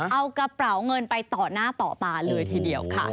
เอากระเป๋าเงินไปต่อหน้าต่อตาเลยทีเดียวค่ะ